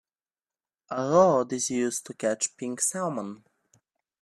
A rod is used to catch pink salmon.